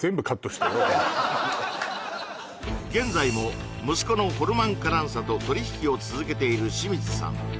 現在も息子のホルマン・カランサと取り引きを続けている清水さん